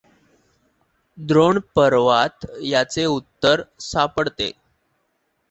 द्रोणपर्वात याचे उत्तर सापडते.